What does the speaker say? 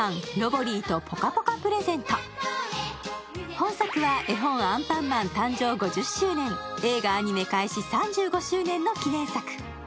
本作は絵本「アンパンマン」誕生５０周年、映画・アニメ開始３５周年の記念作。